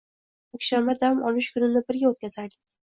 Yakshanba dam olish kunini birga o’tkazaylik.